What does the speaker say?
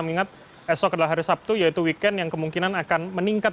mengingat esok adalah hari sabtu yaitu weekend yang kemungkinan akan meningkat